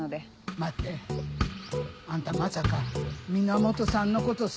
待ってあんたまさか源さんのことす。